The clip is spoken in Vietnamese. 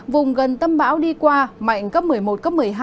vùng gần tâm bão đi qua mạnh cấp một mươi một cấp một mươi hai